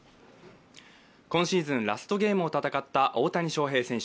今シーズン、ラストゲームを戦った大谷翔平選手。